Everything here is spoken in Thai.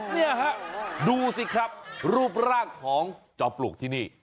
เนี่ยฮะดูสิครับรูปร่างของจอมปลวกที่นี่